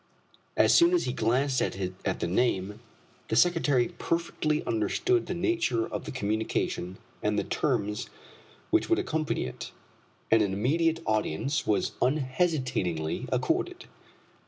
As soon as he glanced at the name, the secretary perfectly understood the nature of the communication and the terms which would accompany it, and an immediate audience was unhesitatingly accorded.